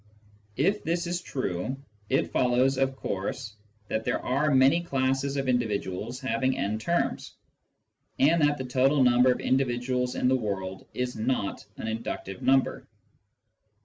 If this is true, it follows, of course, that there are many classes of individuals having n terms, and that the total number of individuals in the world is not 'an inductive number.